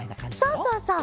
そうそうそう。